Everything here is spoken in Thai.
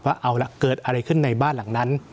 ว่าเอาละเกิดอะไรขึ้นในบ้านหลังนั้น